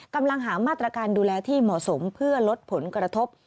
กำลังหามาตรการดูแลที่เหมาะสมเพื่อลดผลกระทบ